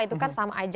itu kan sama aja